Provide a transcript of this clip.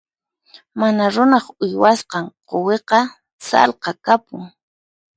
Mana runaq uywasqan quwiqa sallqa kapun.